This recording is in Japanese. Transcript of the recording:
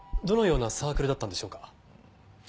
どのようなサークルだったんでしょうか？